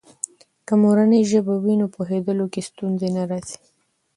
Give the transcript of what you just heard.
که مورنۍ ژبه وي، نو پوهیدلو کې ستونزې نه راځي.